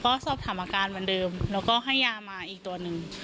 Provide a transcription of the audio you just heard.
ก็สอบถามอาการเหมือนเดิมแล้วก็ให้ยามาอีกตัวหนึ่ง